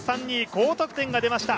高得点が出ました！